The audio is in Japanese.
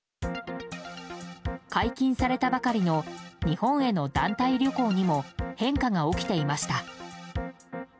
解禁されたばかりの日本への団体旅行にも変化が起きていました。